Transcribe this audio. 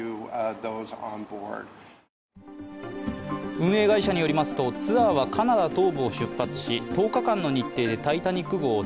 運営会社によりますとツアーはカナダ東部を出発し１０日間の日程で「タイタニック号」を